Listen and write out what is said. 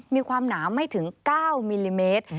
มีความหนาไม่ถึง๙มิลลิเมตร